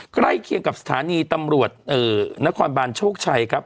ใกล้เคียงกับสถานีตำรวจนครบานโชคชัยครับ